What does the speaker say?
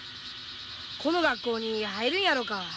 この学校に入るんやろか？